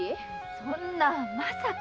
そんなまさか！